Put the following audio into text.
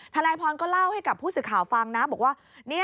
นายพรก็เล่าให้กับผู้สื่อข่าวฟังนะบอกว่า